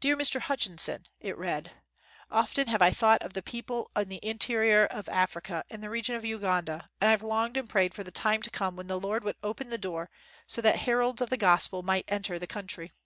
"Dear Mr. Hutchinson," it read, "Often have I thought of the people in the interior of Africa in the region of Uganda, and I have longed and prayed for the time to come when the Lord would open the door so that heralds of the gospel might enter the coun try.